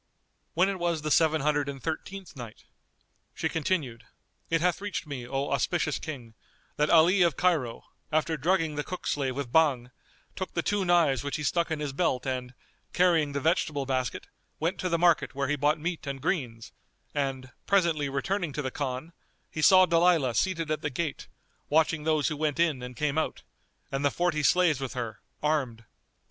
When it was the Seven Hundred and Thirteenth Night, She continued, It hath reached me, O auspicious King, that Ali of Cairo, after drugging the cook slave with Bhang, took the two knives which he stuck in his belt and, carrying the vegetable basket, went to the market where he bought meat and greens; and, presently returning to the Khan, he saw Dalilah seated at the gate, watching those who went in and came out, and the forty slaves with her, armed.